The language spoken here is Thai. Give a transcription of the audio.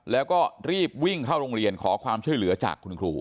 แล้วก็รีบวิ่งเข้าโรงเรียนขอความช่วยเหลือจากคุณครู